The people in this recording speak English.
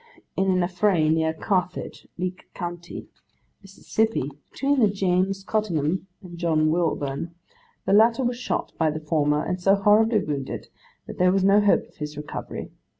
in an affray near Carthage, Leake county, Mississippi, between James Cottingham and John Wilburn, the latter was shot by the former, and so horribly wounded, that there was no hope of his recovery.